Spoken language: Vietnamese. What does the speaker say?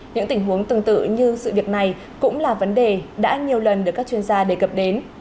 những tình huống tương tự như sự việc này cũng là vấn đề đã nhiều lần được các chuyên gia đề cập đến